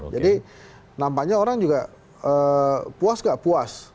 jadi nampaknya orang juga puas gak puas